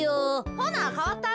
ほなかわったろ。